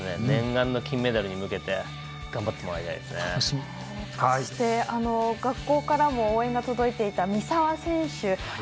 念願の金メダルに向けて学校からも応援が届いていた三澤選手。